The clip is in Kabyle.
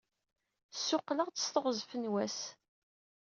Ssuqquleɣ-d s teɣzef n wass.